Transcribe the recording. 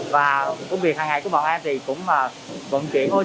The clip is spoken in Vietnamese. và công việc hàng ngày của bọn em thì cũng là vận chuyển oxy lên xuống cho các xã